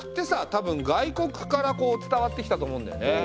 多分外国から伝わってきたと思うんだよね。